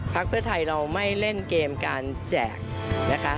เพื่อไทยเราไม่เล่นเกมการแจกนะคะ